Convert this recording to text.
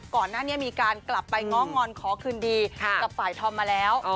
ก่อนหน้านี้มีการกลับไปง้องอนขอคืนดีกับฝ่ายธอมมาแล้ว